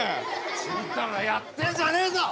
ちんたらやってんじゃねえぞ！